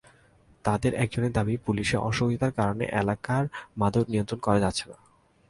তাঁদের একজনের দাবি, পুলিশের অসহযোগিতার কারণে এলাকার মাদক নিয়ন্ত্রণ করা যাচ্ছে না।